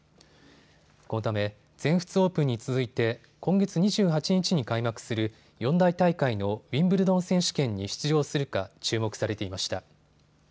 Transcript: このため、全仏オープンに続いて今月２８日に開幕する四大大会のウィンブルドン選手権に出場するか注目されていました。